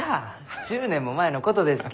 １０年も前のことですき。